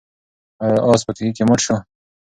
آیا آس په کوهي کې مړ شو؟